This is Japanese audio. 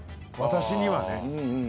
私にはね。